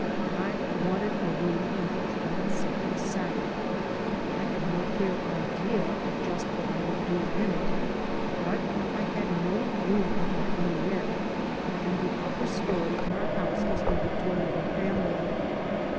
I wanted a room in which one simply sat. I had no clear idea of just what I would do in it. But I had no room of my own yet, and the upper story in our house was rented to another family.